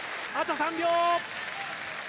あと３秒。